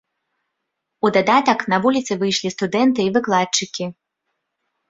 У дадатак на вуліцы выйшлі студэнты і выкладчыкі.